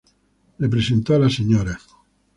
Representó a la Sra.